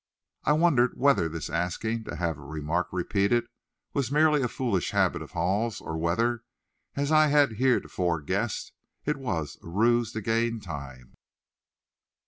I wondered whether this asking to have a remark repeated was merely a foolish habit of Hall's, or whether, as I had heretofore guessed, it was a ruse to gain time.